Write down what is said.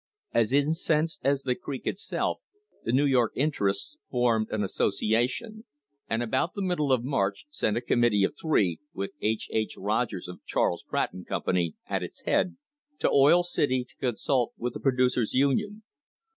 As incensed as the creek itself, the New York interests formed an association, and about the middle of March sent a committee of three, with H. H. Rogers, of Charles Pratt and Company, at its head, to Oil City, to consult with the Producers' Union.